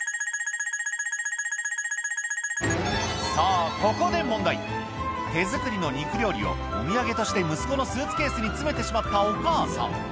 さぁここで問題手作りの肉料理をお土産として息子のスーツケースに詰めてしまったお母さん